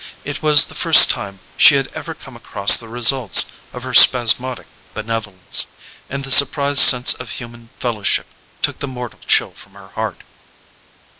It was the first time she had ever come across the results of her spasmodic benevolence, and the surprised sense of human fellowship took the mortal chill from her heart.